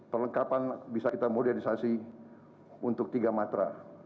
perlengkapan bisa kita modernisasi untuk tiga matra